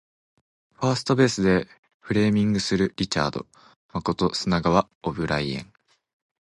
ファーストベースでフレーミングするリチャード誠砂川オブライエン